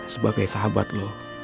sebagai sahabat lo